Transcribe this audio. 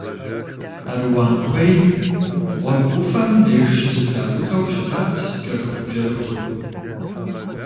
Аруан куейм гъуэгу ӏуфэм деж щызэтракӏутэу щытат кӏэрыхубжьэрыхур.